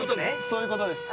そういうことです。